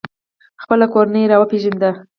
خپله کورنۍ یې را وپیژنده.